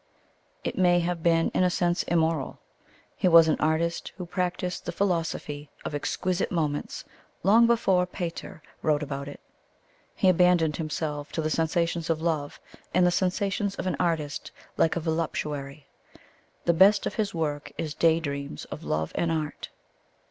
It may have been in a sense immoral: he was an artist who practised the philosophy of exquisite moments long before Pater wrote about it. He abandoned himself to the sensations of love and the sensations of an artist like a voluptuary. The best of his work is day dreams of love and art.